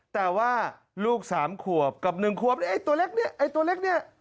แต่ว่าลูกสามขวบกับ๑ขวบไอ้ตัวเล็กเนี่ยไอ้ตัวเล็กเนี่ย